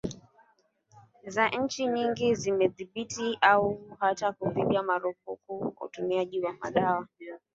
za nchi nyingi zimedhibiti au hata kupiga marufuku utumiaji wa madawa